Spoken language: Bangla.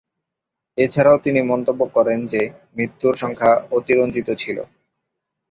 এছাড়াও তিনি মন্তব্য করেন যে, মৃত্যুর সংখ্যা অতিরঞ্জিত ছিল।